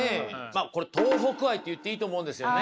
これ東北愛って言っていいと思うんですよね。